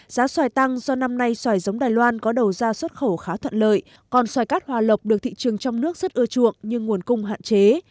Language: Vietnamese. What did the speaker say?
giá xoài tăng do năm nay xoài giống đài loan có đầu ra xuất khẩu khá thuận lợi còn xoài cát hòa lộc được thị trường trong nước rất ưa chuộng nhưng nguồn cung hạn chế